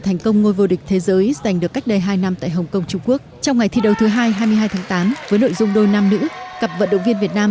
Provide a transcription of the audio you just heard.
nội dung đơn nam nữ cặp vận động viên việt nam